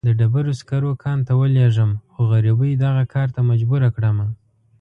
د ډبرو سکرو کان ته ولېږم، خو غريبۍ دغه کار ته مجبوره کړمه.